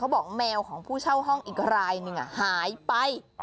บอกแมวของผู้เช่าห้องอีกรายหนึ่งหายไป